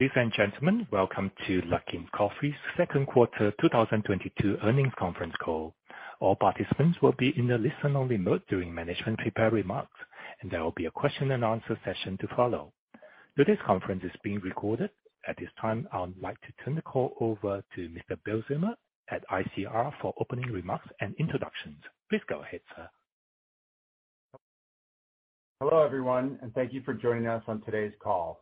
Ladies and gentlemen, welcome to Luckin Coffee second quarter 2022 earnings conference call. All participants will be in the listen-only mode during management prepared remarks, and there will be a question-and-answer session to follow. Today's conference is being recorded. At this time, I would like to turn the call over to Mr. Bill Zima at ICR for opening remarks and introductions. Please go ahead, sir. Hello, everyone, and thank you for joining us on today's call.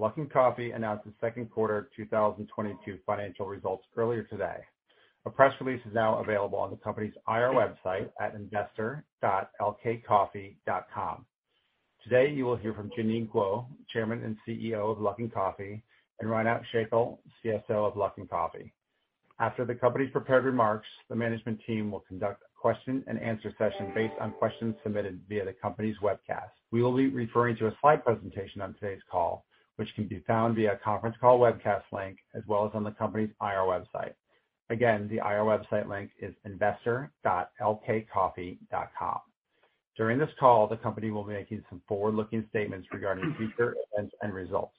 Luckin Coffee announced the second quarter 2022 financial results earlier today. A press release is now available on the company's IR website at investor.lkcoffee.com. Today you will hear from Jinyi Guo, Chairman and CEO of Luckin Coffee, and Reinout Schakel, CSO of Luckin Coffee. After the company's prepared remarks, the management team will conduct a question-and-answer session based on questions submitted via the company's webcast. We will be referring to a slide presentation on today's call, which can be found via a conference call webcast link, as well as on the company's IR website. Again, the IR website link is investor.lkcoffee.com. During this call, the company will be making some forward-looking statements regarding future events and results.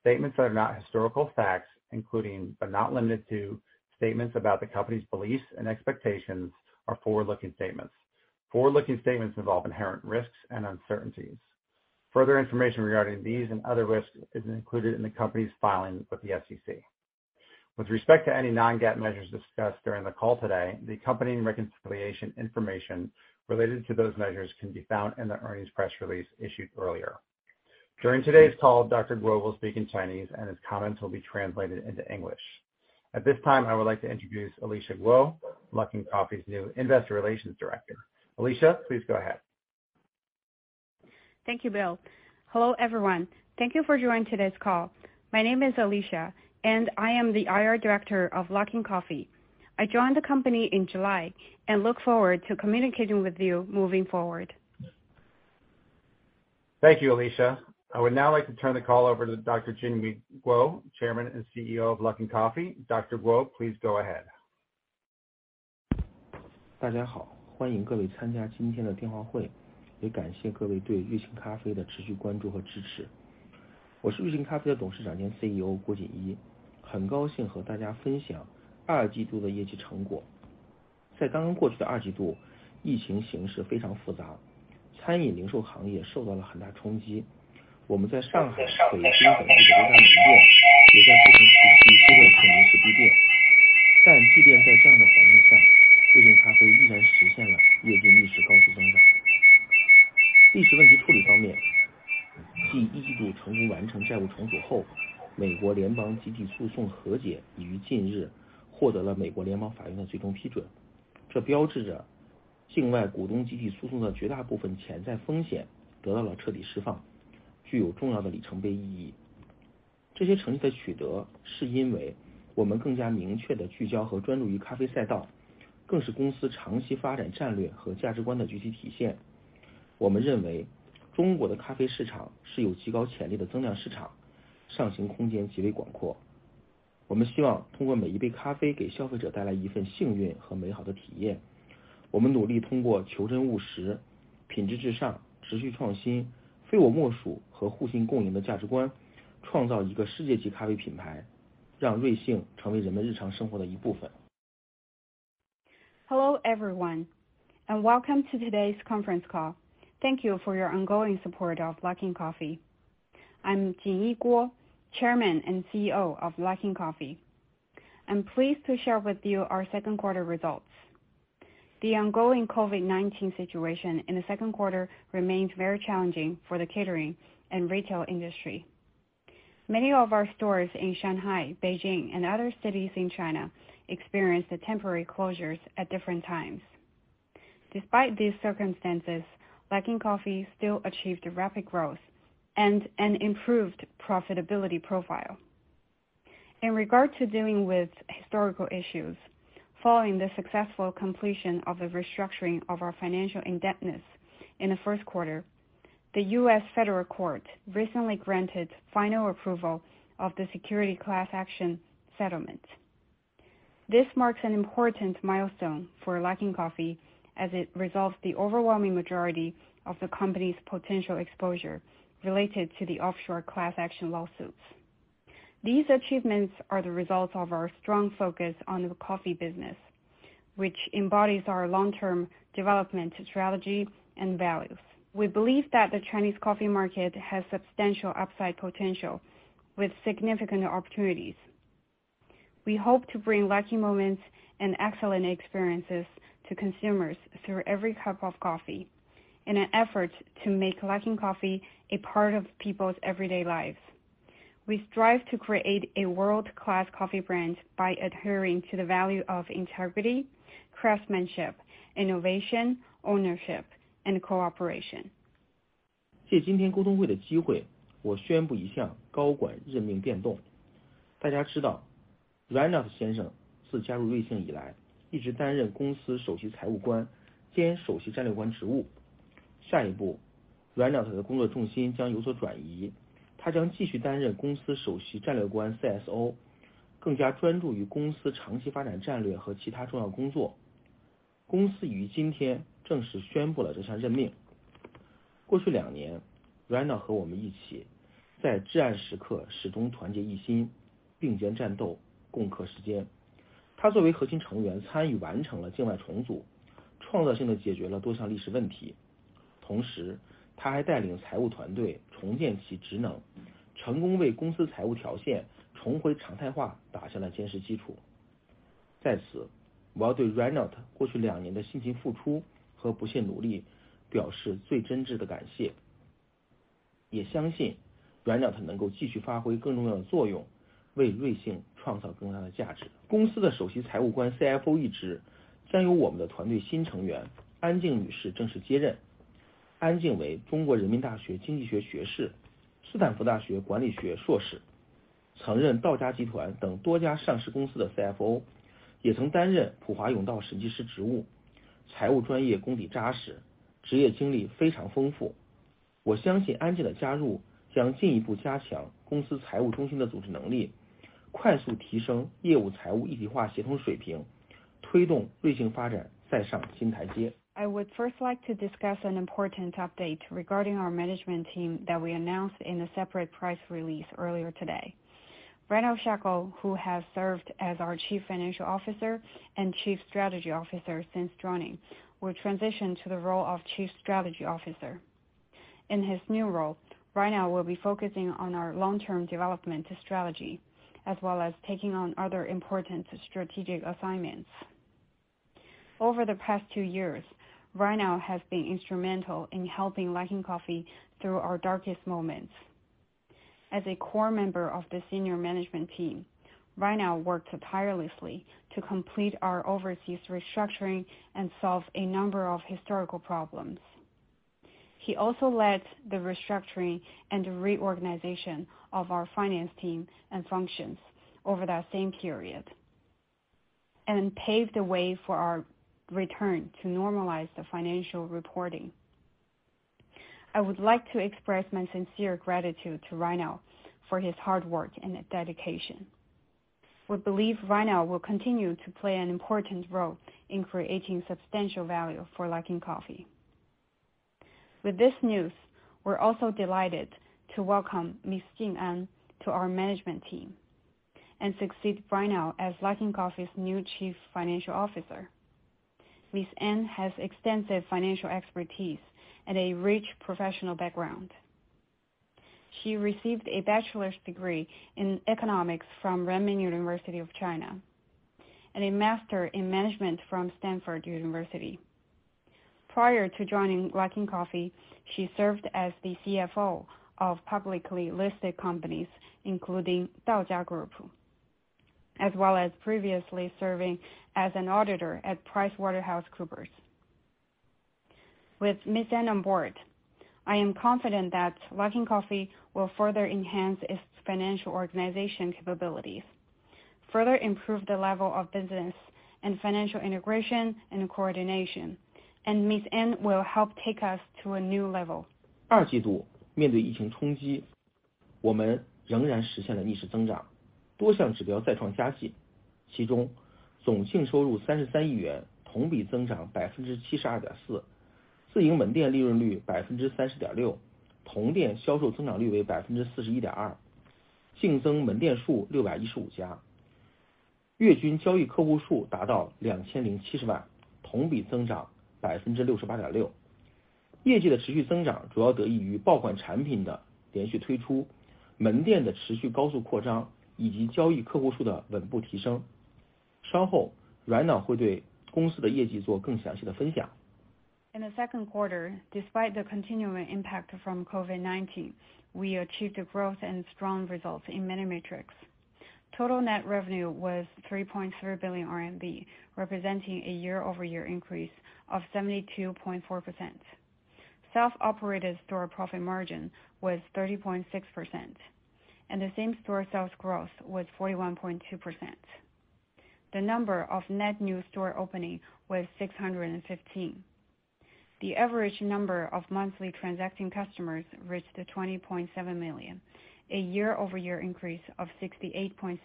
Statements that are not historical facts, including but not limited to statements about the company's beliefs and expectations, are forward-looking statements. Forward-looking statements involve inherent risks and uncertainties. Further information regarding these and other risks is included in the company's filings with the SEC. With respect to any non-GAAP measures discussed during the call today, the accompanying reconciliation information related to those measures can be found in the earnings press release issued earlier. During today's call, Dr. Guo will speak in Chinese and his comments will be translated into English. At this time, I would like to introduce Alicia Guo, Luckin Coffee's new investor relations director. Alicia, please go ahead. Thank you, Bill. Hello, everyone. Thank you for joining today's call. My name is Alicia and I am the IR director of Luckin Coffee. I joined the company in July and look forward to communicating with you moving forward. Thank you, Alicia. I would now like to turn the call over to Dr. Jinyi Guo, Chairman and CEO of Luckin Coffee. Dr. Guo, please go ahead. Hello everyone, and welcome to today's conference call. Thank you for your ongoing support of Luckin Coffee. I'm Jinyi Guo, Chairman and CEO of Luckin Coffee. I'm pleased to share with you our second quarter results. The ongoing COVID-19 situation in the second quarter remains very challenging for the catering and retail industry. Many of our stores in Shanghai, Beijing and other cities in China experienced temporary closures at different times. Despite these circumstances, Luckin Coffee still achieved rapid growth and an improved profitability profile. In regard to dealing with historical issues, following the successful completion of the restructuring of our financial indebtedness in the first quarter, the U.S. Federal Court recently granted final approval of the securities class action settlement. This marks an important milestone for Luckin Coffee as it resolves the overwhelming majority of the company's potential exposure related to the offshore class action lawsuits. These achievements are the result of our strong focus on the coffee business, which embodies our long term development strategy and values. We believe that the Chinese coffee market has substantial upside potential with significant opportunities. We hope to bring lucky moments and excellent experiences to consumers through every cup of coffee in an effort to make Luckin Coffee a part of people's everyday lives. We strive to create a world-class coffee brand by adhering to the value of integrity, craftsmanship, innovation, ownership and cooperation. I would first like to discuss an important update regarding our management team that we announced in a separate press release earlier today. Reinout Schakel, who has served as our Chief Financial Officer and Chief Strategy Officer since joining, will transition to the role of Chief Strategy Officer. In his new role, Reinout will be focusing on our long term development strategy as well as taking on other important strategic assignments. Over the past two years, Reinout has been instrumental in helping Luckin Coffee through our darkest moments. As a core member of the senior management team, Reinout worked tirelessly to complete our overseas restructuring and solve a number of historical problems. He also led the restructuring and reorganization of our finance team and functions over that same period and paved the way for our return to normalize the financial reporting. I would like to express my sincere gratitude to Reinout Schakel for his hard work and dedication. We believe Reinout Schakel will continue to play an important role in creating substantial value for Luckin Coffee. With this news, we're also delighted to welcome Miss Jing An to our management team and succeed Reinout Schakel as Luckin Coffee's new Chief Financial Officer. Miss An has extensive financial expertise and a rich professional background. She received a bachelor's degree in economics from Renmin University of China and a Master in management from Stanford University. Prior to joining Luckin Coffee, she served as the CFO of publicly listed companies including Dada Group, as well as previously serving as an auditor at PricewaterhouseCoopers. With Ms. An on board, I am confident that Luckin Coffee will further enhance its financial organization capabilities, further improve the level of business and financial integration and coordination, and Ms. An will help take us to a new level. 二季度，面对疫情冲击，我们仍然实现了逆势增长，多项指标再创佳绩，其中总净收入33亿元，同比增长72.4%。自营门店利润率30.6%，同店销售增长率为41.2%。净增门店数615家，月均交易客户数达到2,070万，同比增长68.6%。业绩的持续增长主要得益于爆款产品的连续推出，门店的持续高速扩张以及交易客户数的稳步提升。稍后，Reinout会对公司的业绩做更详细的分享。In the second quarter, despite the continuing impact from COVID-19, we achieved a growth and strong results in many metrics. Total net revenue was 3.3 billion RMB, representing a year-over-year increase of 72.4%. Self-operated store profit margin was 30.6% and the same store sales growth was 41.2%. The number of net new store opening was 615. The average number of monthly transacting customers reached 20.7 million, a year-over-year increase of 68.6%.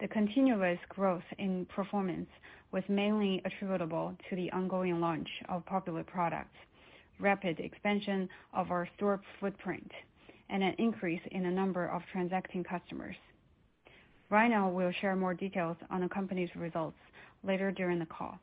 The continuous growth in performance was mainly attributable to the ongoing launch of popular products, rapid expansion of our store footprint, and an increase in the number of transacting customers. Reinout Schakel will share more details on the company's results later during the call.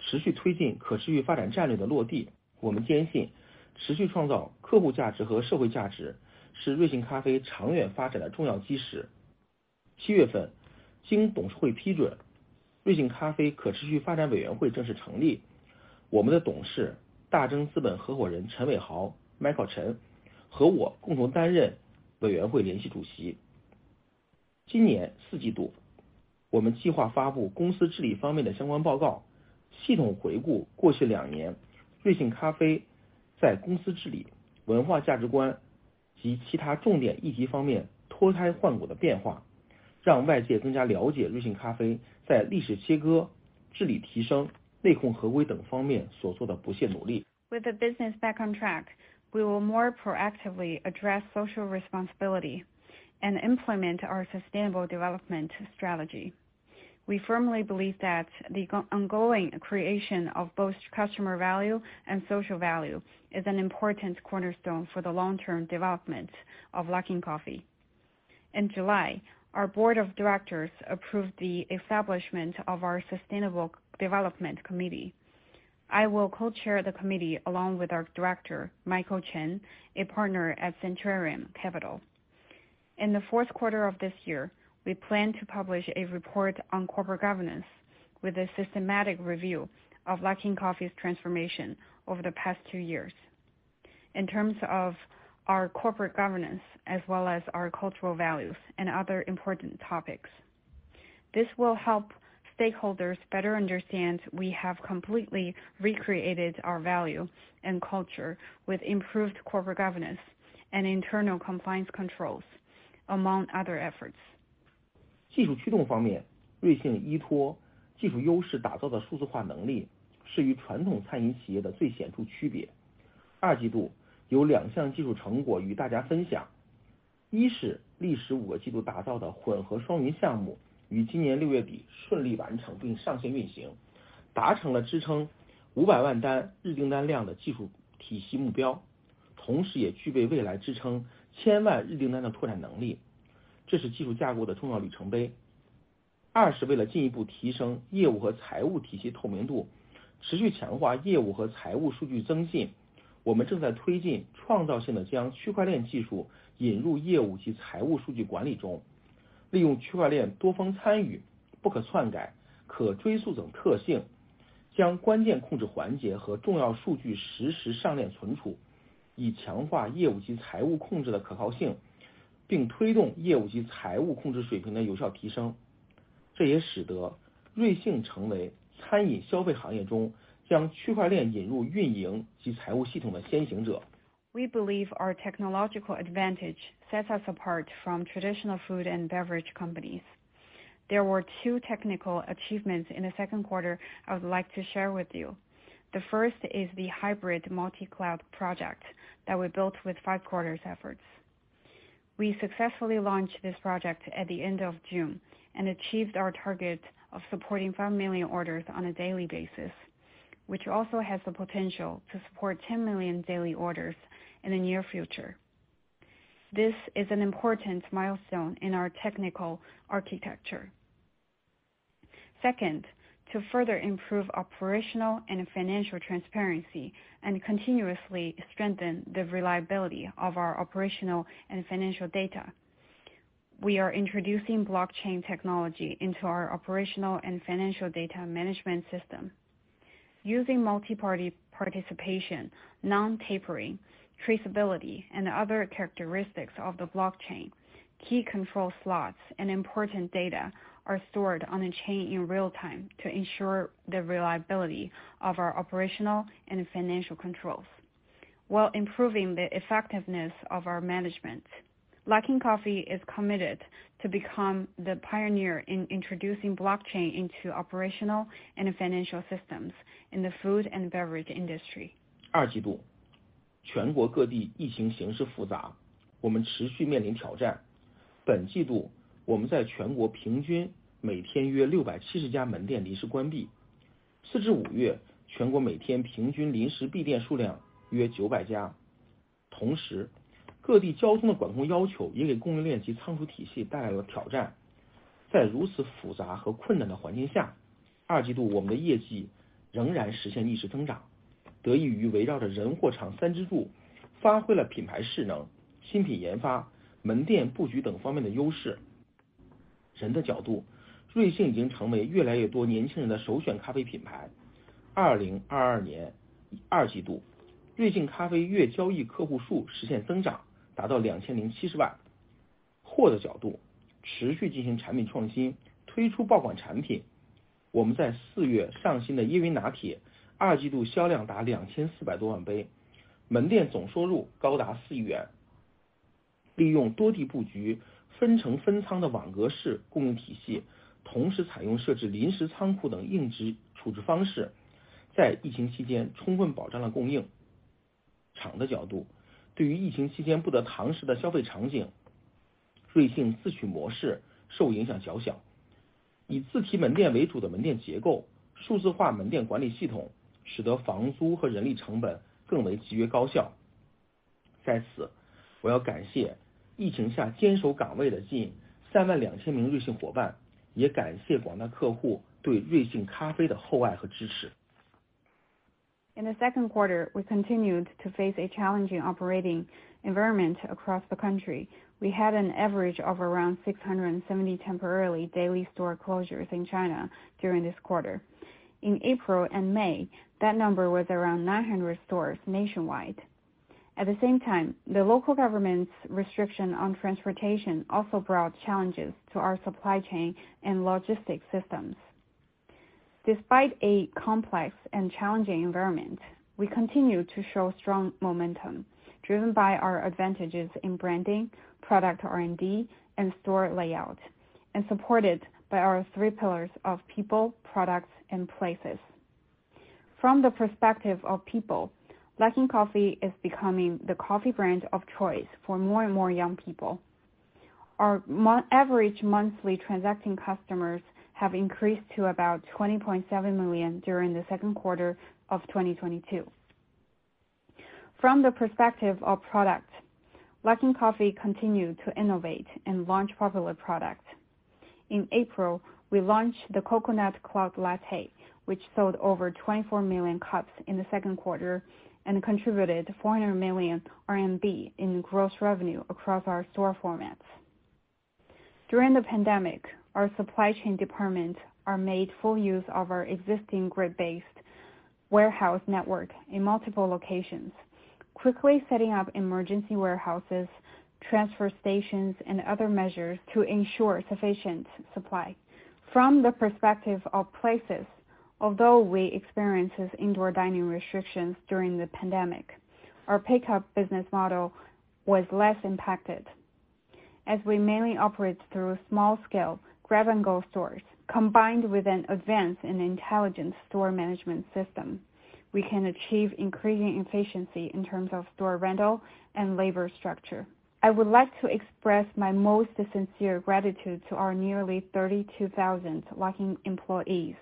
随着业务发展进入良性轨道，我们将更加积极主动地承担社会责任，持续推进可持续发展战略的落地。我们坚信，持续创造客户价值和社会价值是瑞幸咖啡长远发展的重要基石。七月份，经董事会批准，瑞幸咖啡可持续发展委员会正式成立。我们的董事大征资本合伙人陈伟豪、Michael Chen和我共同担任委员会联席主席。今年四季度，我们计划发布公司治理方面的相关报告，系统回顾过去两年瑞幸咖啡在公司治理、文化价值观及其他重点议题方面脱胎换骨的变化，让外界更加了解瑞幸咖啡在历史切割、治理提升、内控合规等方面所做的不懈努力。With the business back on track, we will more proactively address social responsibility and implement our sustainable development strategy. We firmly believe that the ongoing creation of both customer value and social value is an important cornerstone for the long-term development of Luckin Coffee. In July, our board of directors approved the establishment of our Sustainable Development Committee. I will co-chair the committee along with our director, Michael Chen, a partner at Centurium Capital. In the fourth quarter of this year, we plan to publish a report on corporate governance with a systematic review of Luckin Coffee's transformation over the past two years in terms of our corporate governance, as well as our cultural values and other important topics. This will help stakeholders better understand we have completely recreated our value and culture with improved corporate governance and internal compliance controls, among other efforts. We believe our technological advantage sets us apart from traditional food and beverage companies. There were 2 technical achievements in the second quarter I would like to share with you. The first is the hybrid multi-cloud project that we built with 5 quarters' efforts. We successfully launched this project at the end of June and achieved our target of supporting 5 million orders on a daily basis, which also has the potential to support 10 million daily orders in the near future. This is an important milestone in our technical architecture. Second, to further improve operational and financial transparency and continuously strengthen the reliability of our operational and financial data, we are introducing blockchain technology into our operational and financial data management system. Using multi-party participation, non-tampering, traceability and other characteristics of the blockchain, key control slots and important data are stored on a chain in real time to ensure the reliability of our operational and financial controls while improving the effectiveness of our management. Luckin Coffee is committed to become the pioneer in introducing blockchain into operational and financial systems in the food and beverage industry. In the second quarter, we continued to face a challenging operating environment across the country. We had an average of around 670 temporary daily store closures in China during this quarter. In April and May, that number was around 900 stores nationwide. At the same time, the local government's restriction on transportation also brought challenges to our supply chain and logistics systems. Despite a complex and challenging environment, we continue to show strong momentum driven by our advantages in branding, product R&D and store layout, and supported by our three pillars of people, products and places. From the perspective of people, Luckin Coffee is becoming the coffee brand of choice for more and more young people. Our average monthly transacting customers have increased to about 20.7 million during the second quarter of 2022. From the perspective of product, Luckin Coffee continued to innovate and launch popular products. In April, we launched the Coconut Cloud Latte, which sold over 24 million cups in the second quarter and contributed 400 million RMB in gross revenue across our store formats. During the pandemic, our supply chain department made full use of our existing grid-based warehouse network in multiple locations, quickly setting up emergency warehouses, transfer stations and other measures to ensure sufficient supply. From the perspective of space, although we experienced indoor dining restrictions during the pandemic, our pickup business model was less impacted. As we mainly operate through small-scale grab-and-go stores, combined with advances in intelligent store management system, we can achieve increasing efficiency in terms of store rental and labor structure. I would like to express my most sincere gratitude to our nearly 32,000 Luckin employees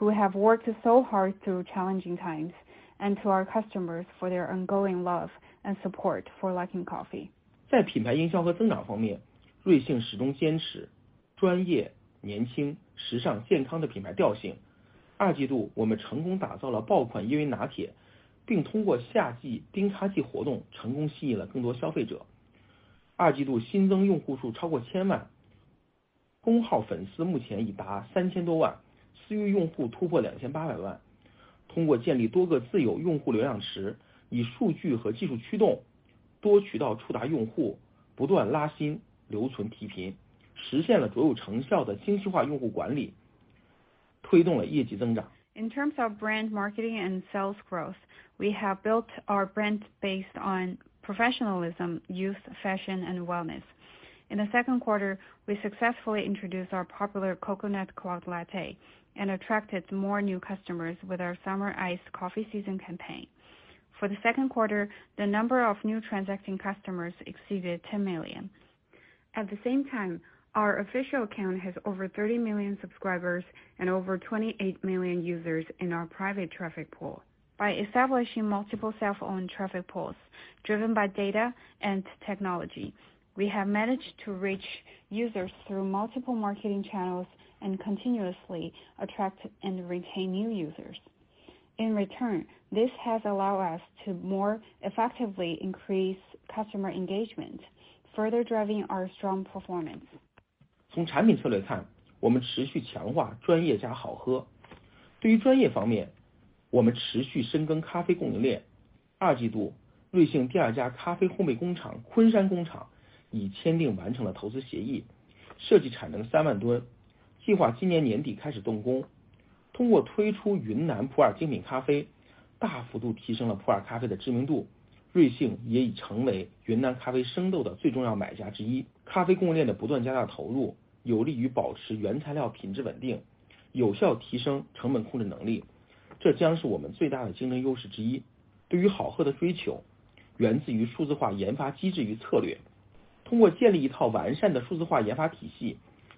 who have worked so hard through challenging times and to our customers for their ongoing love and support for Luckin Coffee. 在品牌营销和增长方面，瑞幸始终坚持专业、年轻、时尚、健康的品牌调性。二季度，我们成功打造了爆款椰云拿铁，并通过夏季冰咖啡活动成功吸引了更多消费者。二季度新增用户数超过千万，公号粉丝目前已达三千多万，私域用户突破两千八百万。通过建立多个自有用户流量池，以数据和技术驱动，多渠道触达用户，不断拉新、留存、提频，实现了左右程效的精细化用户管理，推动了业绩增长。In terms of brand marketing and sales growth, we have built our brand based on professionalism, youth, fashion and wellness. In the second quarter, we successfully introduced our popular Coconut Cloud Latte and attracted more new customers with our summer iced coffee season campaign. For the second quarter, the number of new transacting customers exceeded 10 million. At the same time, our official account has over 30 million subscribers and over 28 million users in our private traffic pool. By establishing multiple self-owned traffic pools driven by data and technology, we have managed to reach users through multiple marketing channels and continuously attract and retain new users. In return, this has allowed us to more effectively increase customer engagement, further driving our strong performance.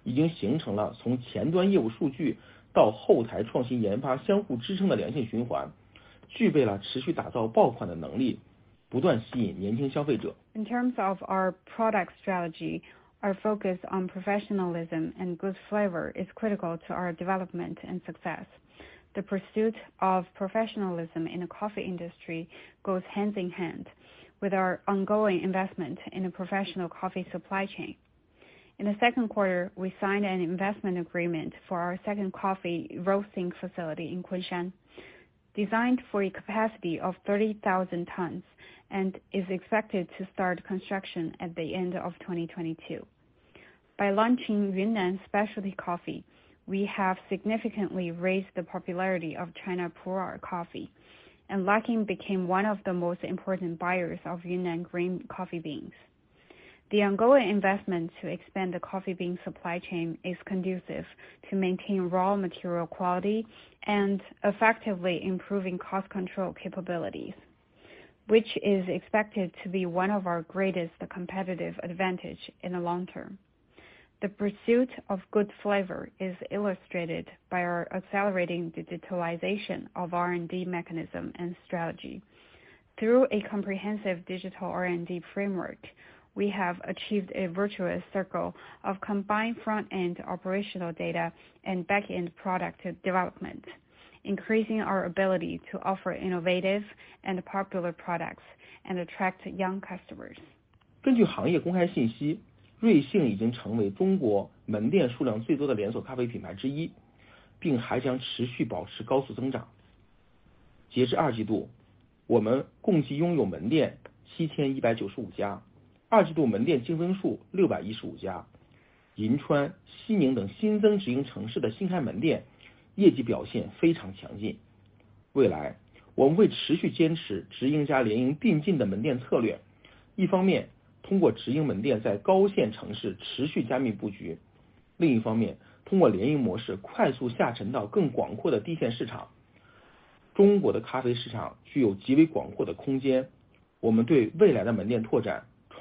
In terms of our product strategy, our focus on professionalism and good flavor is critical to our development and success. The pursuit of professionalism in the coffee industry goes hand in hand with our ongoing investment in a professional coffee supply chain. In the second quarter, we signed an investment agreement for our second coffee roasting facility in Kunshan, designed for a capacity of 30,000 tons and is expected to start construction at the end of 2022. By launching Yunnan specialty coffee, we have significantly raised the popularity of China Pu'er coffee, and Luckin became one of the most important buyers of Yunnan green coffee beans. The ongoing investment to expand the coffee bean supply chain is conducive to maintain raw material quality and effectively improving cost control capabilities, which is expected to be one of our greatest competitive advantage in the long term. The pursuit of good flavor is illustrated by our accelerating digitalization of R&D mechanism and strategy. Through a comprehensive digital R&D framework, we have achieved a virtuous circle of combined front-end operational data and back-end product development, increasing our ability to offer innovative and popular products and attract young customers.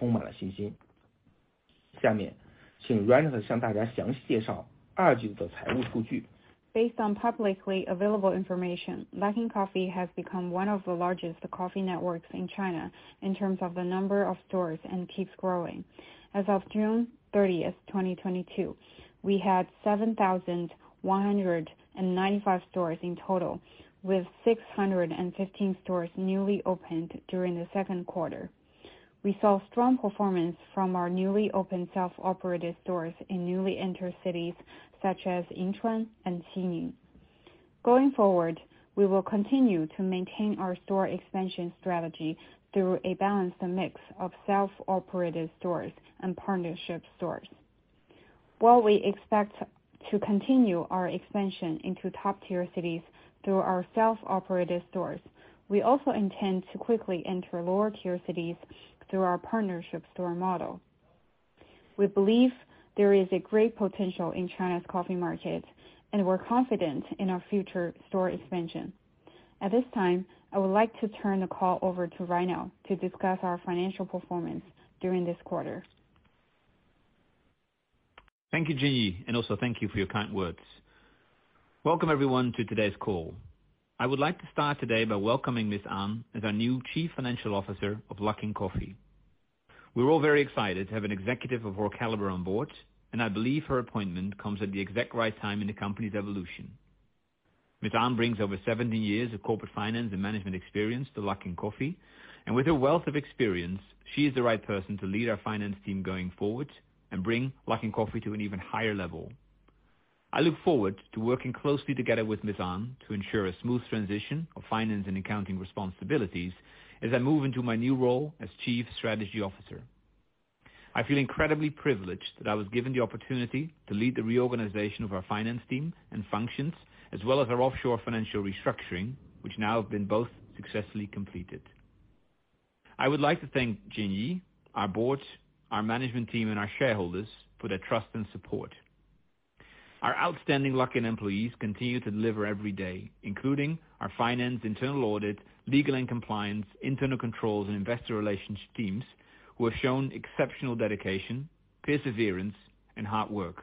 Based on publicly available information, Luckin Coffee has become one of the largest coffee networks in China in terms of the number of stores and keeps growing. As of June 30, 2022, we had 7,195 stores in total, with 615 stores newly opened during the second quarter. We saw strong performance from our newly opened self-operated stores in newly entered cities, such as Yinchuan and Xining. Going forward, we will continue to maintain our store expansion strategy through a balanced mix of self-operated stores and partnership stores. While we expect to continue our expansion into top-tier cities through our self-operated stores, we also intend to quickly enter lower-tier cities through our partnership store model. We believe there is a great potential in China's coffee market, and we're confident in our future store expansion. At this time, I would like to turn the call over to Reinout Schakel to discuss our financial performance during this quarter. Thank you, Jinyi Guo, and also thank you for your kind words. Welcome, everyone, to today's call. I would like to start today by welcoming Ms. Jing An as our new Chief Financial Officer of Luckin Coffee. We're all very excited to have an executive of her caliber on board, and I believe her appointment comes at the exact right time in the company's evolution. Ms. Jing An brings over 17 years of corporate finance and management experience to Luckin Coffee, and with her wealth of experience, she is the right person to lead our finance team going forward and bring Luckin Coffee to an even higher level. I look forward to working closely together with Ms. Jing An to ensure a smooth transition of finance and accounting responsibilities as I move into my new role as Chief Strategy Officer. I feel incredibly privileged that I was given the opportunity to lead the reorganization of our finance team and functions, as well as our offshore financial restructuring, which now have been both successfully completed. I would like to thank Jinyi Guo, our board, our management team, and our shareholders for their trust and support. Our outstanding Luckin employees continue to deliver every day, including our finance, internal audit, legal and compliance, internal controls, and investor relations teams, who have shown exceptional dedication, perseverance, and hard work.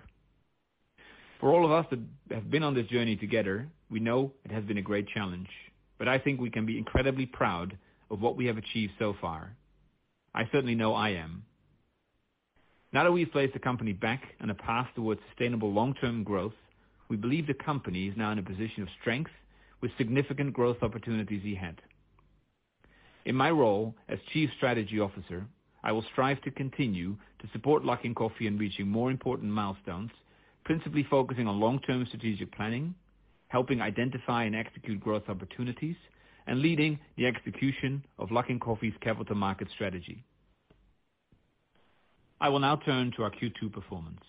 For all of us that have been on this journey together, we know it has been a great challenge, but I think we can be incredibly proud of what we have achieved so far. I certainly know I am. Now that we've placed the company back on a path towards sustainable long-term growth, we believe the company is now in a position of strength with significant growth opportunities ahead. In my role as Chief Strategy Officer, I will strive to continue to support Luckin Coffee in reaching more important milestones, principally focusing on long-term strategic planning, helping identify and execute growth opportunities, and leading the execution of Luckin Coffee's capital market strategy. I will now turn to our Q2 performance.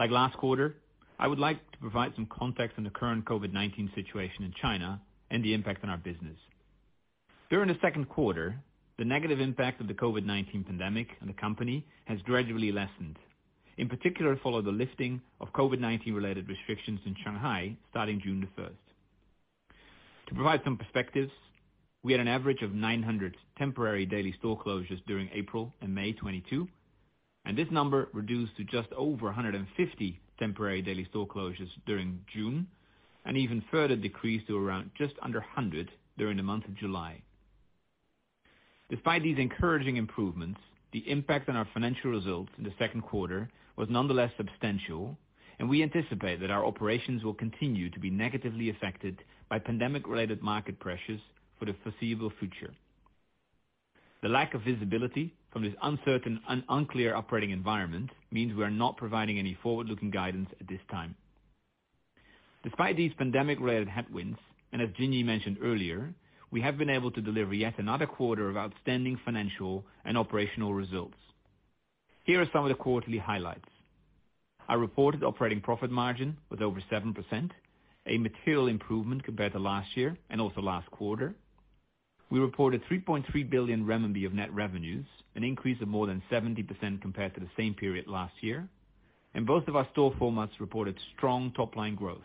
Like last quarter, I would like to provide some context on the current COVID-19 situation in China and the impact on our business. During the second quarter, the negative impact of the COVID-19 pandemic on the company has gradually lessened. In particular, following the lifting of COVID-19 related restrictions in Shanghai starting June 1. To provide some perspectives, we had an average of 900 temporary daily store closures during April and May 2022, and this number reduced to just over 150 temporary daily store closures during June, and even further decreased to around just under 100 during the month of July. Despite these encouraging improvements, the impact on our financial results in the second quarter was nonetheless substantial, and we anticipate that our operations will continue to be negatively affected by pandemic-related market pressures for the foreseeable future. The lack of visibility from this uncertain, unclear operating environment means we are not providing any forward-looking guidance at this time. Despite these pandemic-related headwinds, and as Jin Yi mentioned earlier, we have been able to deliver yet another quarter of outstanding financial and operational results. Here are some of the quarterly highlights. Our reported operating profit margin was over 7%, a material improvement compared to last year and also last quarter. We reported 3.3 billion renminbi of net revenues, an increase of more than 70% compared to the same period last year, and both of our store formats reported strong top-line growth.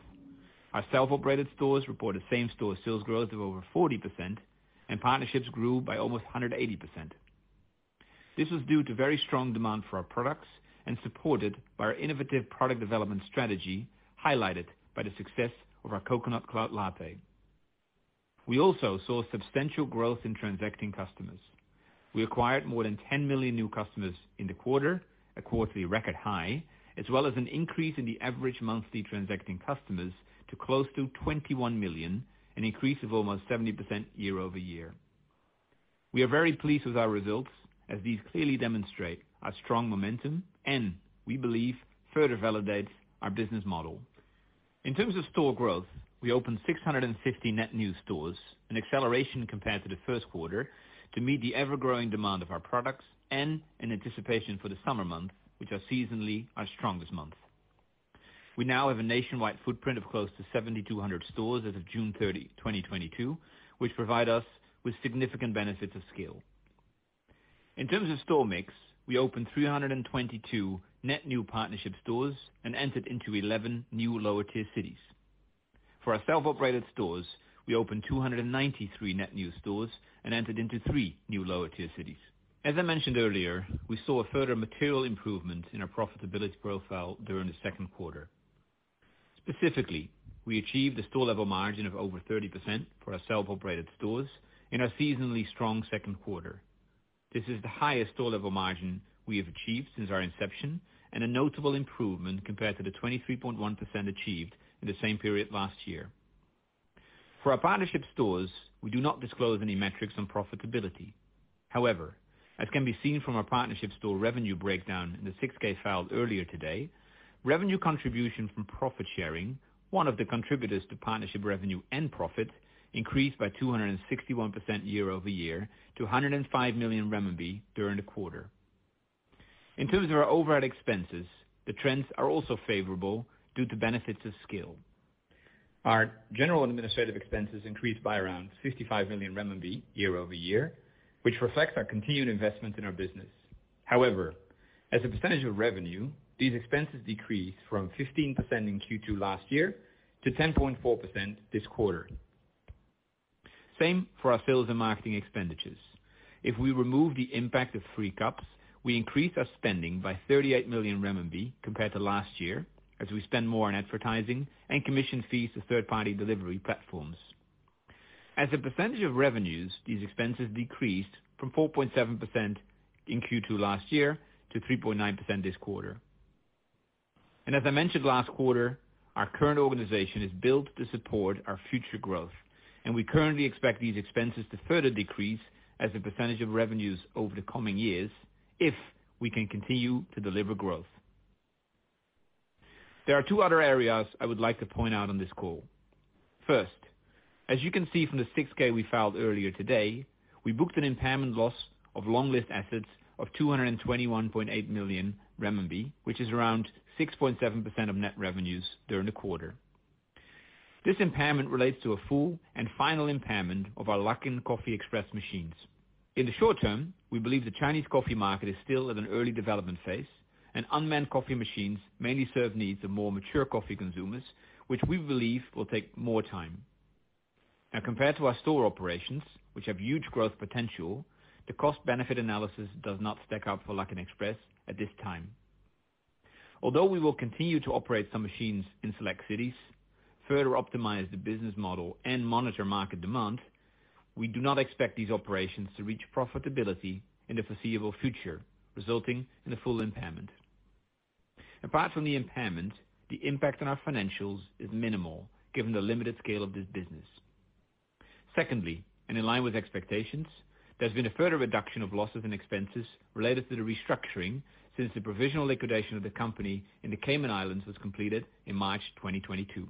Our self-operated stores reported same store sales growth of over 40%, and partnerships grew by almost 180%. This was due to very strong demand for our products and supported by our innovative product development strategy, highlighted by the success of our Coconut Cloud Latte. We also saw substantial growth in transacting customers. We acquired more than 10 million new customers in the quarter, a quarterly record high, as well as an increase in the average monthly transacting customers to close to 21 million, an increase of almost 70% year-over-year. We are very pleased with our results as these clearly demonstrate our strong momentum and we believe further validates our business model. In terms of store growth, we opened 650 net new stores, an acceleration compared to the first quarter, to meet the ever-growing demand of our products and in anticipation for the summer month, which are seasonally our strongest month. We now have a nationwide footprint of close to 7,200 stores as of June 30, 2022, which provide us with significant benefits of scale. In terms of store mix, we opened 322 net new partnership stores and entered into 11 new lower tier cities. For our self-operated stores, we opened 293 net new stores and entered into 3 new lower tier cities. As I mentioned earlier, we saw a further material improvement in our profitability profile during the second quarter. Specifically, we achieved a store level margin of over 30% for our self-operated stores in our seasonally strong second quarter. This is the highest store level margin we have achieved since our inception and a notable improvement compared to the 23.1% achieved in the same period last year. For our partnership stores, we do not disclose any metrics on profitability. However, as can be seen from our partnership store revenue breakdown in the 6-K filed earlier today, revenue contribution from profit sharing, one of the contributors to partnership revenue and profit, increased by 261% year-over-year to 105 million renminbi during the quarter. In terms of our overhead expenses, the trends are also favorable due to benefits of scale. Our general administrative expenses increased by around 55 million renminbi year-over-year, which reflects our continued investment in our business. However, as a percentage of revenue, these expenses decreased from 15% in Q2 last year to 10.4% this quarter. Same for our sales and marketing expenditures. If we remove the impact of free cups, we increase our spending by 30 million renminbi compared to last year as we spend more on advertising and commission fees to third party delivery platforms. As a percentage of revenues, these expenses decreased from 4.7% in Q2 last year to 3.9% this quarter. As I mentioned last quarter, our current organization is built to support our future growth, and we currently expect these expenses to further decrease as a percentage of revenues over the coming years if we can continue to deliver growth. There are two other areas I would like to point out on this call. First, as you can see from the 6-K we filed earlier today, we booked an impairment loss of long-lived assets of 221.8 million renminbi, which is around 6.7% of net revenues during the quarter. This impairment relates to a full and final impairment of our Luckin Coffee Express machines. In the short term, we believe the Chinese coffee market is still at an early development phase, and unmanned coffee machines mainly serve needs of more mature coffee consumers, which we believe will take more time. Now, compared to our store operations, which have huge growth potential, the cost benefit analysis does not stack up for Luckin Express at this time. Although we will continue to operate some machines in select cities, further optimize the business model and monitor market demand, we do not expect these operations to reach profitability in the foreseeable future, resulting in a full impairment. Apart from the impairment, the impact on our financials is minimal given the limited scale of this business. Secondly, and in line with expectations, there's been a further reduction of losses and expenses related to the restructuring since the provisional liquidation of the company in the Cayman Islands was completed in March 2022.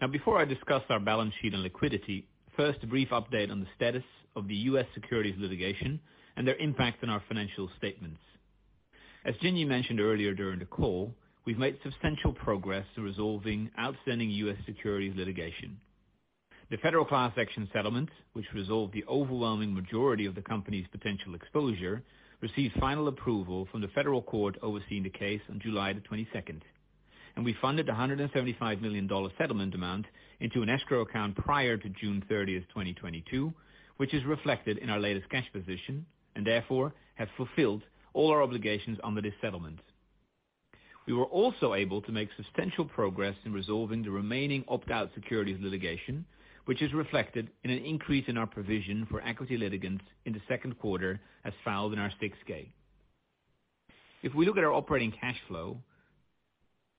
Now before I discuss our balance sheet and liquidity, first, a brief update on the status of the U.S. securities litigation and their impact on our financial statements. As Jinyi Guo mentioned earlier during the call, we've made substantial progress in resolving outstanding U.S. securities litigation. The federal class action settlement, which resolved the overwhelming majority of the company's potential exposure, received final approval from the federal court overseeing the case on July 22. We funded a $175 million settlement amount into an escrow account prior to June 30, 2022, which is reflected in our latest cash position and therefore have fulfilled all our obligations under this settlement. We were also able to make substantial progress in resolving the remaining opt-out securities litigation, which is reflected in an increase in our provision for equity litigants in the second quarter as filed in our 6-K. If we look at our operating cash flow,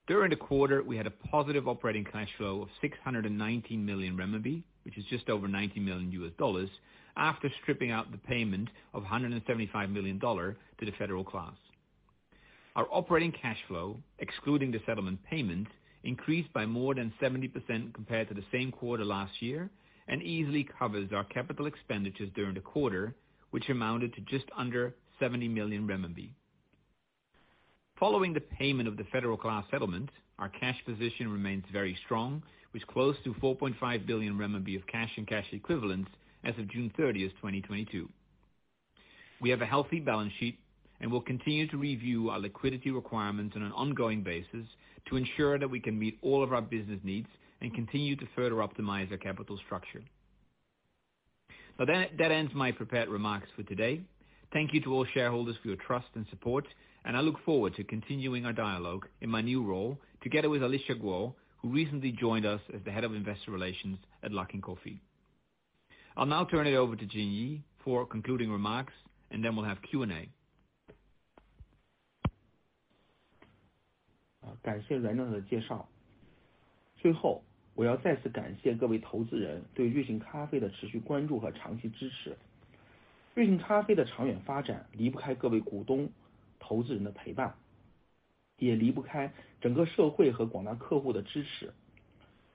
during the quarter, we had a positive operating cash flow of 619 million renminbi, which is just over $90 million after stripping out the payment of $175 million to the federal class. Our operating cash flow, excluding the settlement payment, increased by more than 70% compared to the same quarter last year and easily covers our capital expenditures during the quarter, which amounted to just under 70 million renminbi. Following the payment of the federal class settlement, our cash position remains very strong, with close to 4.5 billion renminbi of cash and cash equivalents as of June 30, 2022. We have a healthy balance sheet, and we'll continue to review our liquidity requirements on an ongoing basis to ensure that we can meet all of our business needs and continue to further optimize our capital structure. That ends my prepared remarks for today. Thank you to all shareholders for your trust and support, and I look forward to continuing our dialogue in my new role together with Alicia Guo, who recently joined us as the head of investor relations at Luckin Coffee. I'll now turn it over to Jinyi Guo for concluding remarks, and then we'll have Q&A. Uh,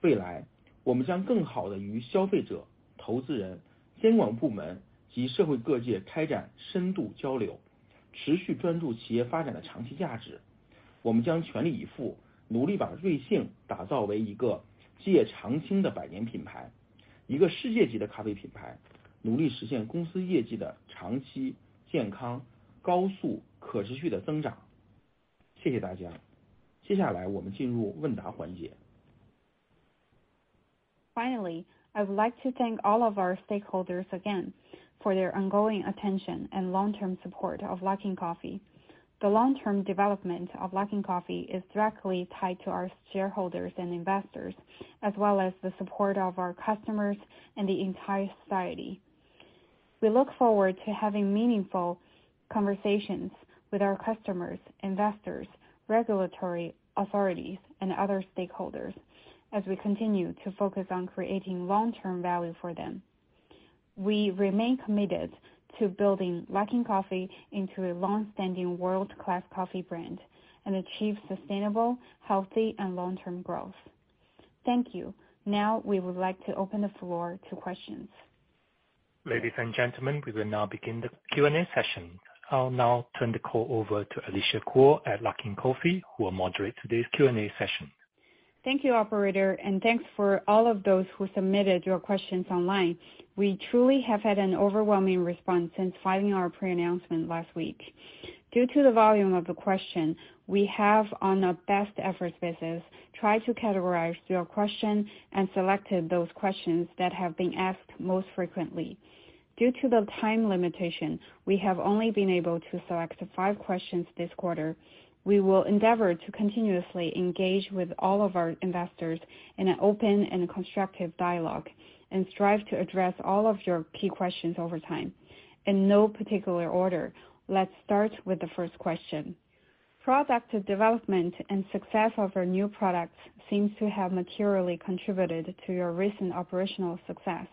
未来我们将更好地与消费者、投资人、监管部门及社会各界开展深度交流，持续专注企业发展的长期价值。我们将全力以赴，努力把瑞幸打造为一个基业常青的百年品牌，一个世界级的咖啡品牌，努力实现公司业绩的长期、健康、高速、可持续的增长。谢谢大家。接下来我们进入问答环节。Finally, I would like to thank all of our stakeholders again for their ongoing attention and long-term support of Luckin Coffee. The long-term development of Luckin Coffee is directly tied to our shareholders and investors, as well as the support of our customers and the entire society. We look forward to having meaningful conversations with our customers, investors, regulatory authorities, and other stakeholders as we continue to focus on creating long-term value for them. We remain committed to building Luckin Coffee into a long-standing world-class coffee brand and achieve sustainable, healthy, and long-term growth. Thank you. Now we would like to open the floor to questions. Ladies and gentlemen, we will now begin the Q&A session. I'll now turn the call over to Alicia Guo at Luckin Coffee, who will moderate today's Q&A session. Thank you, operator, and thanks for all of those who submitted your questions online. We truly have had an overwhelming response since filing our pre-announcement last week. Due to the volume of the question, we have on a best efforts basis, tried to categorize your question and selected those questions that have been asked most frequently. Due to the time limitation, we have only been able to select five questions this quarter. We will endeavor to continuously engage with all of our investors in an open and constructive dialogue, and strive to address all of your key questions over time. In no particular order, let's start with the first question. Product development and success of our new products seems to have materially contributed to your recent operational success.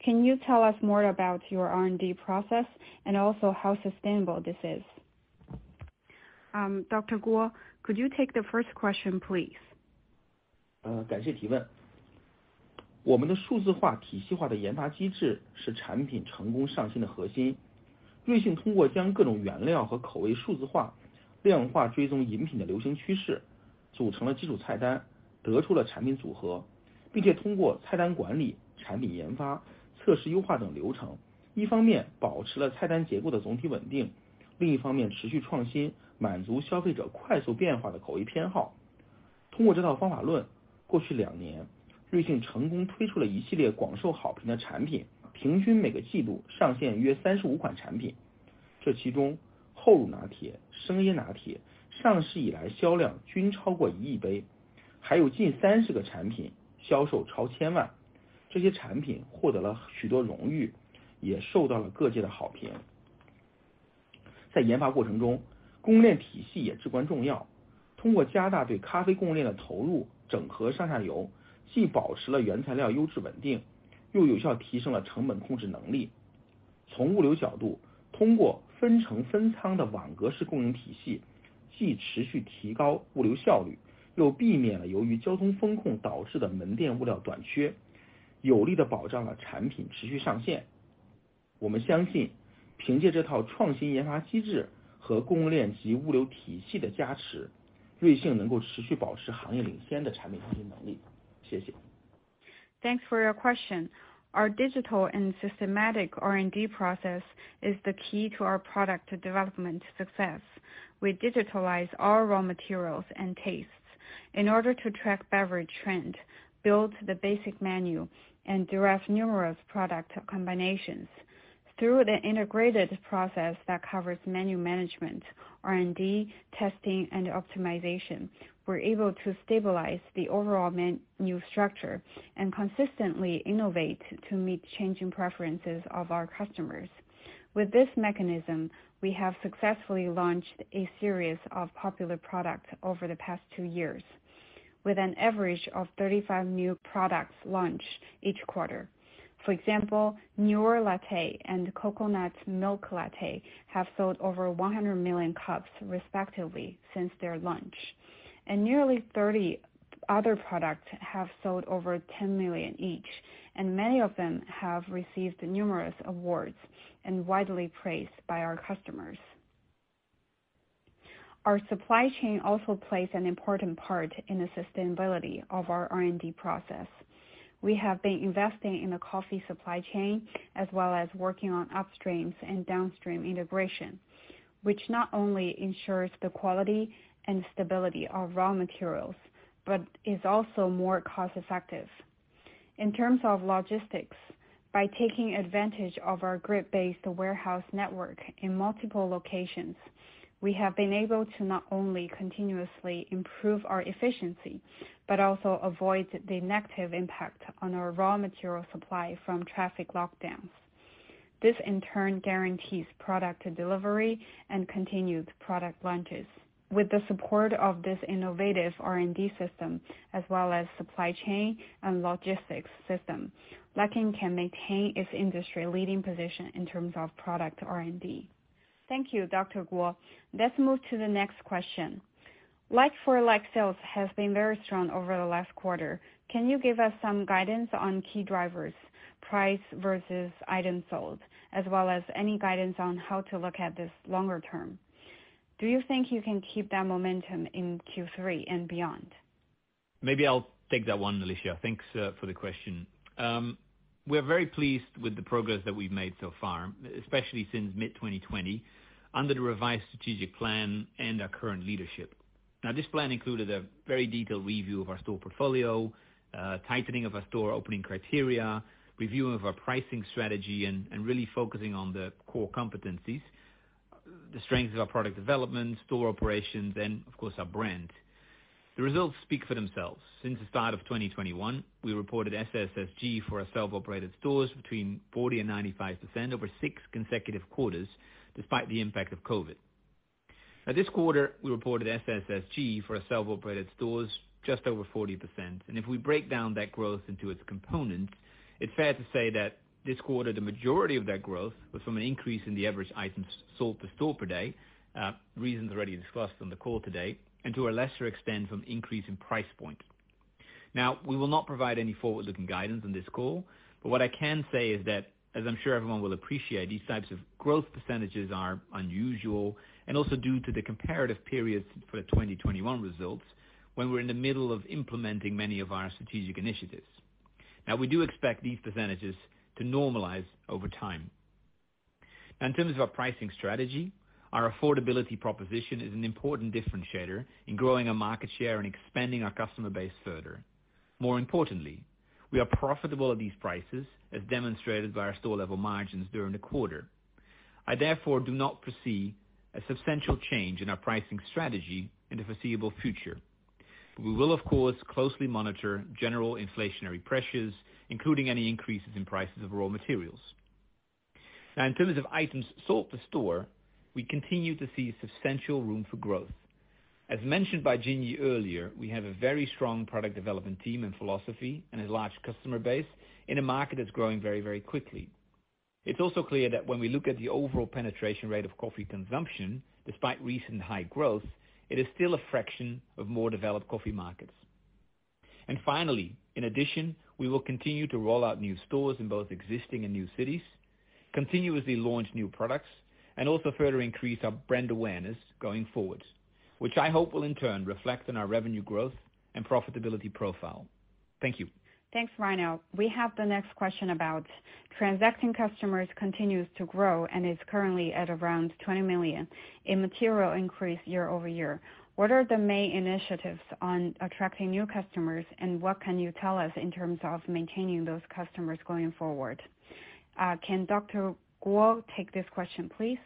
Can you tell us more about your R&D process and also how sustainable this is? Dr. Guo, could you take the first question, please? 感谢提问。我们的数字化、体系化的研发机制是产品成功上新的核心。瑞幸通过将各种原料和口味数字化，量化追踪饮品的流行趋势，组成了基础菜单，得出了产品组合，并且通过菜单管理、产品研发、测试优化等流程，一方面保持了菜单结构的总体稳定，另一方面持续创新，满足消费者快速变化的口味偏好。通过这套方法论，过去两年，瑞幸成功推出了一系列广受好评的产品，平均每个季度上线约35款产品。这其中厚乳拿铁、生椰拿铁上市以来销量均超过一亿杯，还有近30个产品销售超千万。这些产品获得了许多荣誉，也受到了各界的好评。在研发过程中，供应链体系也至关重要。通过加大对咖啡供应链的投入，整合上下游，既保持了原材料优质稳定，又有效提升了成本控制能力。从物流角度，通过分城分仓的网格式共用体系，既持续提高物流效率，又避免了由于交通封控导致的门店物料短缺，有力地保障了产品持续上线。我们相信，凭借这套创新研发机制和供应链及物流体系的加持，瑞幸能够持续保持行业领先的产品创新能力。谢谢。Thanks for your question. Our digital and systematic R&D process is the key to our product development success. We digitalize all raw materials and tastes in order to track beverage trend, build the basic menu, and derive numerous product combinations. Through the integrated process that covers menu management, R&D, testing, and optimization, we're able to stabilize the overall menu structure and consistently innovate to meet changing preferences of our customers. With this mechanism, we have successfully launched a series of popular products over the past two years with an average of 35 new products launched each quarter. For example, Velvet Latte and Coconut Milk Latte have sold over 100 million cups respectively since their launch. Nearly 30 other products have sold over 10 million each, and many of them have received numerous awards and widely praised by our customers. Our supply chain also plays an important part in the sustainability of our R&D process. We have been investing in the coffee supply chain as well as working on upstreams and downstream integration, which not only ensures the quality and stability of raw materials, but is also more cost effective. In terms of logistics, by taking advantage of our grid-based warehouse network in multiple locations, we have been able to not only continuously improve our efficiency, but also avoid the negative impact on our raw material supply from traffic lockdowns. This in turn guarantees product delivery and continued product launches. With the support of this innovative R&D system as well as supply chain and logistics system, Luckin can maintain its industry-leading position in terms of product R&D. Thank you, Dr. Guo. Let's move to the next question. Like-for-like sales has been very strong over the last quarter. Can you give us some guidance on key drivers, price versus items sold, as well as any guidance on how to look at this longer term? Do you think you can keep that momentum in Q3 and beyond? Maybe I'll take that one, Alicia. Thanks for the question. We're very pleased with the progress that we've made so far, especially since mid-2020, under the revised strategic plan and our current leadership. Now, this plan included a very detailed review of our store portfolio, tightening of our store opening criteria, review of our pricing strategy and really focusing on the core competencies, the strengths of our product development, store operations, and of course, our brand. The results speak for themselves. Since the start of 2021, we reported SSSG for our self-operated stores between 40% and 95%, over six consecutive quarters, despite the impact of COVID. Now, this quarter, we reported SSSG for our self-operated stores just over 40%. If we break down that growth into its components, it's fair to say that this quarter, the majority of that growth was from an increase in the average items sold to store per day, reasons already discussed on the call today, and to a lesser extent, from increase in price point. Now, we will not provide any forward-looking guidance on this call, but what I can say is that, as I'm sure everyone will appreciate, these types of growth percentages are unusual and also due to the comparative periods for the 2021 results, when we're in the middle of implementing many of our strategic initiatives. Now, we do expect these percentages to normalize over time. Now, in terms of our pricing strategy, our affordability proposition is an important differentiator in growing our market share and expanding our customer base further. More importantly, we are profitable at these prices, as demonstrated by our store level margins during the quarter. I therefore do not foresee a substantial change in our pricing strategy in the foreseeable future. We will, of course, closely monitor general inflationary pressures, including any increases in prices of raw materials. Now, in terms of items sold to store, we continue to see substantial room for growth. As mentioned by Jinyi Guo earlier, we have a very strong product development team and philosophy and a large customer base in a market that's growing very, very quickly. It's also clear that when we look at the overall penetration rate of coffee consumption, despite recent high growth, it is still a fraction of more developed coffee markets. Finally, in addition, we will continue to roll out new stores in both existing and new cities, continuously launch new products, and also further increase our brand awareness going forward, which I hope will in turn reflect on our revenue growth and profitability profile. Thank you. Thanks, Reinout. We have the next question about transacting customers continues to grow and is currently at around 20 million, a material increase year-over-year. What are the main initiatives on attracting new customers, and what can you tell us in terms of maintaining those customers going forward? Can Dr. Guo take this question, please?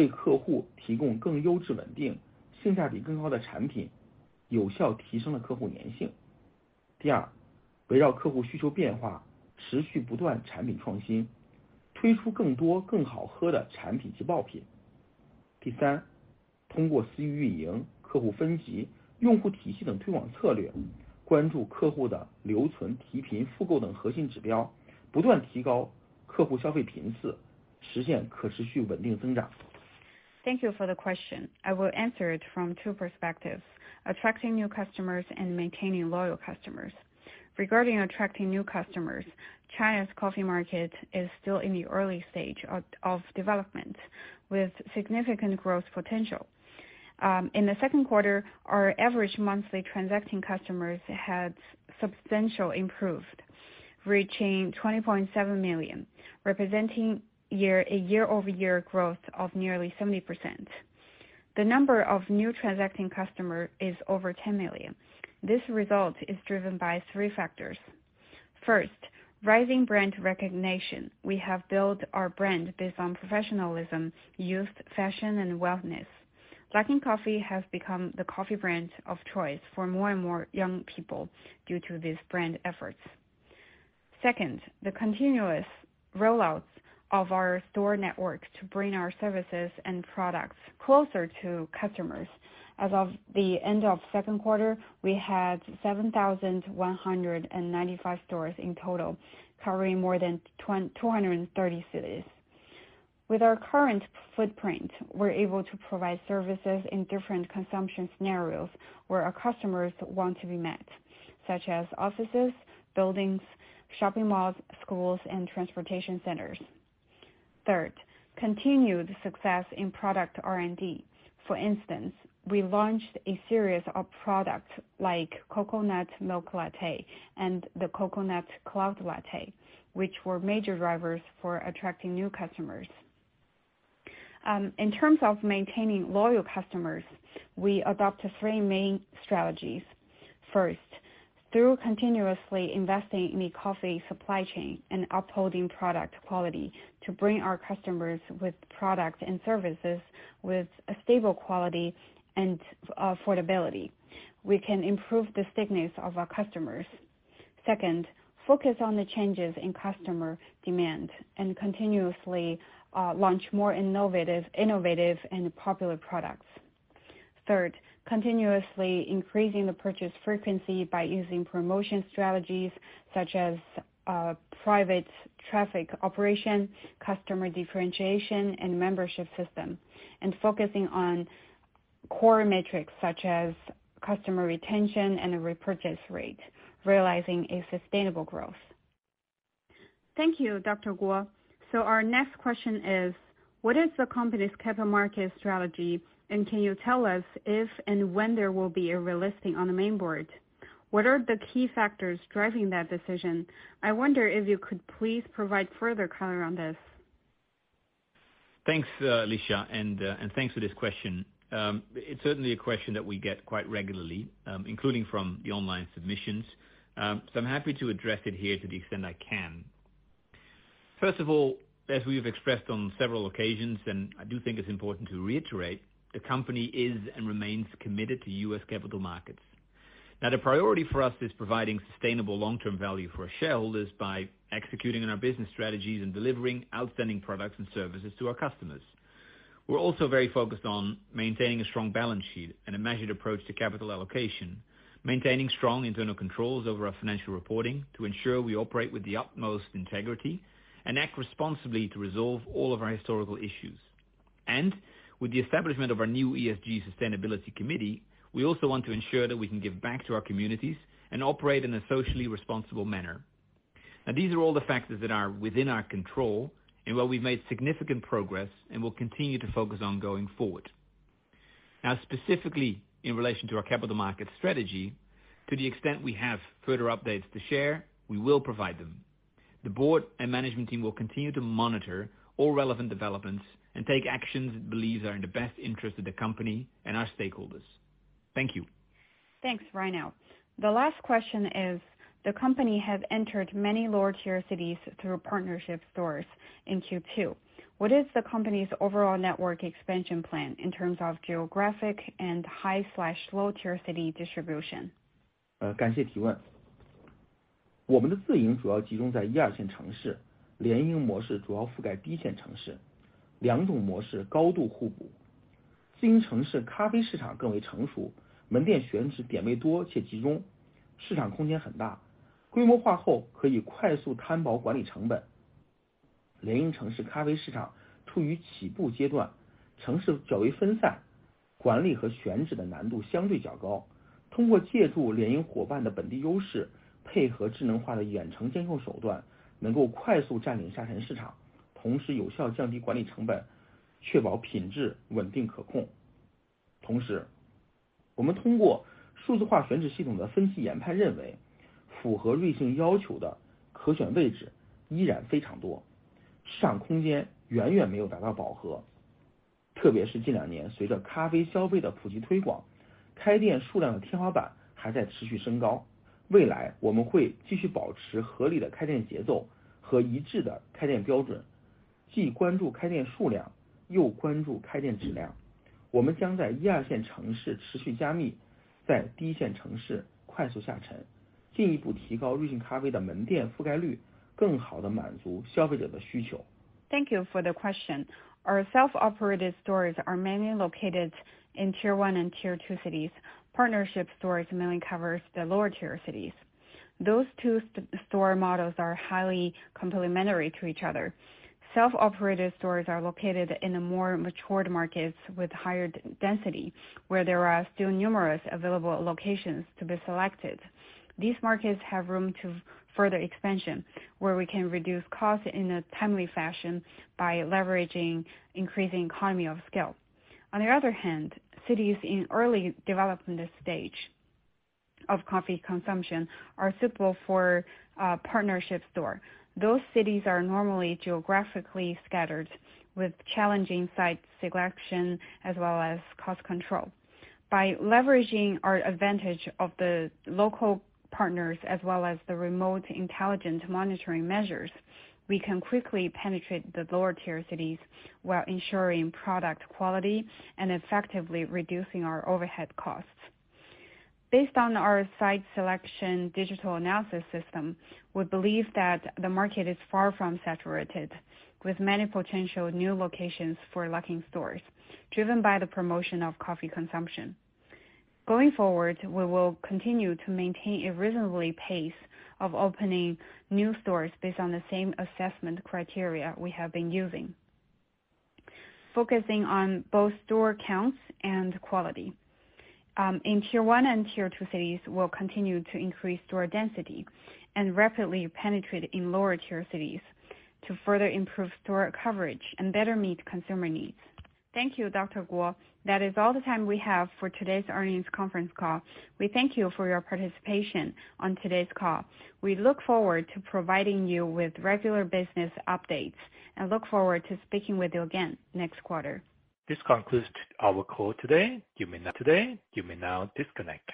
Uh, Second, the continuous rollouts of our store network to bring our services and products closer to customers. As of the end of second quarter, we had 7,195 stores in total, covering more than two hundred and thirty cities. With our current footprint, we're able to provide services in different consumption scenarios where our customers want to be met, such as offices, buildings, shopping malls, schools and transportation centers. Third, continued success in product R&D. For instance, we launched a series of products like Coconut Milk Latte and the Coconut Cloud Latte, which were major drivers for attracting new customers. In terms of maintaining loyal customers, we adopt three main strategies. First, through continuously investing in the coffee supply chain and upholding product quality to bring our customers with products and services with a stable quality and affordability, we can improve the stickiness of our customers. Second, focus on the changes in customer demand and continuously launch more innovative and popular products. Third, continuously increasing the purchase frequency by using promotion strategies such as private traffic operation, customer differentiation and membership system, and focusing on core metrics such as customer retention and the repurchase rate, realizing a sustainable growth. Thank you, Dr. Guo. Our next question is: What is the company's capital market strategy, and can you tell us if and when there will be a relisting on the main board? What are the key factors driving that decision? I wonder if you could please provide further color on this. Thanks, Alicia, and thanks for this question. It's certainly a question that we get quite regularly, including from the online submissions, so I'm happy to address it here to the extent I can. First of all, as we have expressed on several occasions, I do think it's important to reiterate, the company is and remains committed to U.S. capital markets. Now, the priority for us is providing sustainable long-term value for our shareholders by executing on our business strategies and delivering outstanding products and services to our customers. We're also very focused on maintaining a strong balance sheet and a measured approach to capital allocation, maintaining strong internal controls over our financial reporting to ensure we operate with the utmost integrity and act responsibly to resolve all of our historical issues. With the establishment of our new ESG sustainability committee, we also want to ensure that we can give back to our communities and operate in a socially responsible manner. Now, these are all the factors that are within our control and while we've made significant progress and will continue to focus on going forward. Now, specifically in relation to our capital market strategy, to the extent we have further updates to share, we will provide them. The board and management team will continue to monitor all relevant developments and take actions it believes are in the best interest of the company and our stakeholders. Thank you. Thanks, Reinout Schakel. The last question is: The company have entered many lower-tier cities through partnership stores in Q2. What is the company's overall network expansion plan in terms of geographic and high/low-tier city distribution? Thank you for the question. Our self-operated stores are mainly located in Tier 1 and Tier 2 cities. Partnership stores mainly covers the lower-tier cities. Those two store models are highly complementary to each other. Self-operated stores are located in the more matured markets with higher density, where there are still numerous available locations to be selected. These markets have room to further expansion, where we can reduce costs in a timely fashion by leveraging increasing economy of scale. On the other hand, cities in early development stage of coffee consumption are suitable for a partnership store. Those cities are normally geographically scattered with challenging site selection as well as cost control. By leveraging our advantage of the local partners as well as the remote intelligent monitoring measures, we can quickly penetrate the lower tier cities while ensuring product quality and effectively reducing our overhead costs. Based on our site selection digital analysis system, we believe that the market is far from saturated with many potential new locations for Luckin stores driven by the promotion of coffee consumption. Going forward, we will continue to maintain a reasonable pace of opening new stores based on the same assessment criteria we have been using, focusing on both store counts and quality. In Tier One and Tier Two cities, we'll continue to increase store density and rapidly penetrate in lower tier cities to further improve store coverage and better meet consumer needs. Thank you, Dr. Guo. That is all the time we have for today's earnings conference call. We thank you for your participation on today's call. We look forward to providing you with regular business updates and look forward to speaking with you again next quarter. This concludes our call today. You may now disconnect.